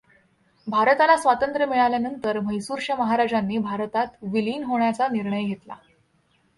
भारताला स्वातंत्र्य मिळाल्यानंतर म्हैसूरच्या महाराजांनी भारतात विलीन होण्याचा निर्णय घेतला.